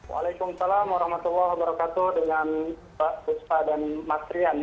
waalaikumsalam warahmatullahi wabarakatuh dengan pak fusfa dan mas rian ya